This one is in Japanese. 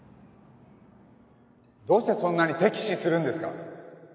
どうしてそんなに敵視するんですか？